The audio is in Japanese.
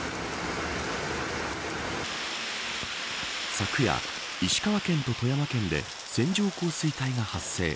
昨夜、石川県と富山県で線状降水帯が発生。